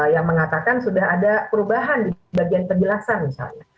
yang mengatakan sudah ada perubahan di bagian penjelasan misalnya